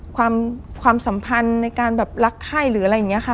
ความความสัมพันธ์ในการแบบรักไข้หรืออะไรอย่างนี้ค่ะ